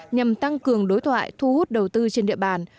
nhằm tăng cường đối thoại thu hút đầu tư trên địa bàn